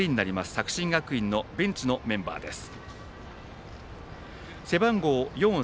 作新学院のベンチのメンバーです。